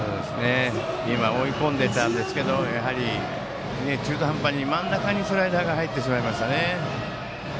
追い込んでいたんですが中途半端に真ん中にスライダーが入ってしまいましたね。